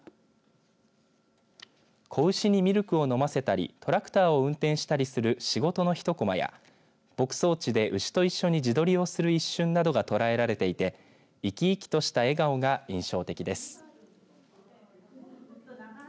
子牛にミルクを飲ませたりトラクターを運転したりする仕事の１コマや牧草地で牛と一緒に自撮りをする一瞬などが捉えられていて生き生きとした笑顔が印象的です。